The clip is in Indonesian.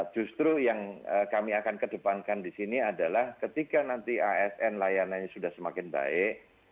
justru yang kami akan kedepankan di sini adalah ketika nanti asn layanannya sudah semakin baik